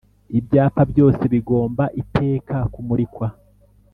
Ibyapa Byose bigomba iteka kumurikwa